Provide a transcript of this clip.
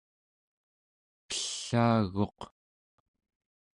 pellaaguq